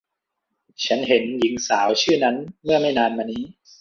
ฉันเห็นหญิงสาวชื่อนั้นเมื่อไม่นานมานี้